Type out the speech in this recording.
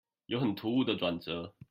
有很突兀的轉折